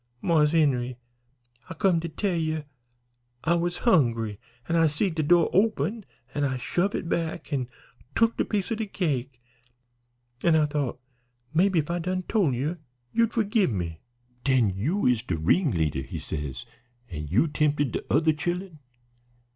'Marse Henry, I come to tell ye I was hungry, an' I see de door open an' I shove it back an' tuk de piece o' cake, an' I thought maybe if I done tole ye you'd forgib me.' "'Den you is de ringleader,' he says, 'an' you tempted de other chillen?'